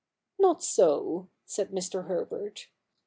' Not so,' said Mr. Herbert.